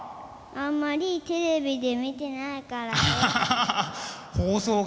あんまりテレビで見てないからです。